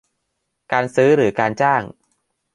การซื้อหรือการจ้าง